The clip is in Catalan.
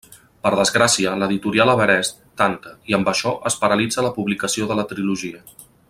Per desgràcia, l'editorial Everest tanca i amb això es paralitza la publicació de la trilogia.